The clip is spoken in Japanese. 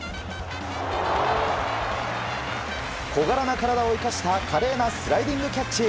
小柄な体を生かした華麗なスライディングキャッチ。